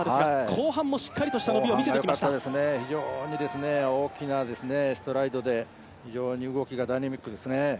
後半がよかったですね、非常に大きなストライドで、非常に動きがダイナミックですね。